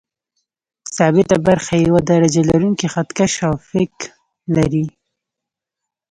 ثابته برخه یې یو درجه لرونکی خط کش او فک لري.